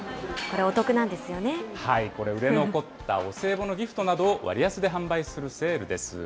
これ、売れ残ったお歳暮のギフトなどを割安で販売するセールです。